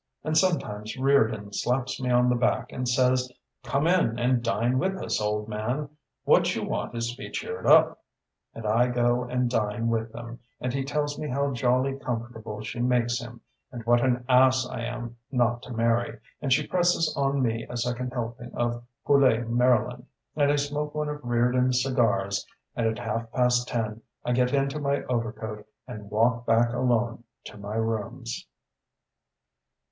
And sometimes Reardon slaps me on the back and says: 'Come in and dine with us, old man! What you want is to be cheered up!' And I go and dine with them, and he tells me how jolly comfortable she makes him, and what an ass I am not to marry; and she presses on me a second helping of poulet Maryland, and I smoke one of Reardon's cigars, and at half past ten I get into my overcoat, and walk back alone to my rooms...."